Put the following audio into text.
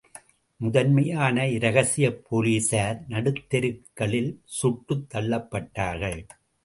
முதன்மையான இரகசியப் போலிஸார் நடுத்தெருக்களில் சுட்டுத் தள்ளப்பட்டார்கள்.